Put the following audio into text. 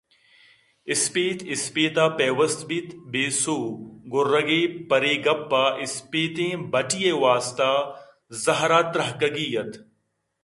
اسپیت اسپیتءَ پیوست بیت بے سوب گُراگے پرے گپّءَاِسپیتیں بَٹ ئےءِواستہ زہرءَترکگّی اَت